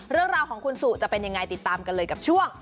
เรื่องราวของคุณสุจะเป็นยังไงติดตามกันเลยกับช่วง